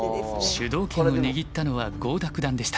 主導権を握ったのは郷田九段でした。